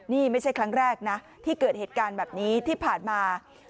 นี่ไม่ใช่ครั้งแรกนะที่เกิดเหตุการณ์แบบนี้ที่ผ่านมา